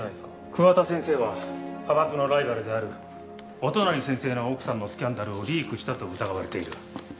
桑田先生は派閥のライバルである乙成先生の奥さんのスキャンダルをリークしたと疑われている。